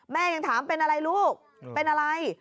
ยังถามเป็นอะไรลูกเป็นอะไร